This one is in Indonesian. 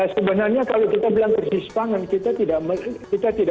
sebenarnya kalau kita bilang krisis pangan kita tidak